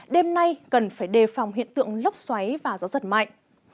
đêm nay cần phải đề phòng hiện tượng lốc xoáy và gió giật mạnh